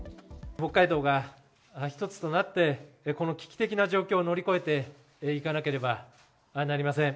北海道が一つとなって、この危機的な状況を乗り越えていかなければなりません。